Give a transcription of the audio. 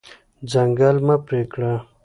ځنګل مه پرې کړه.